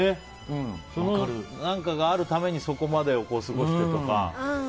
何かがあるためにそこまでを過ごしてとか。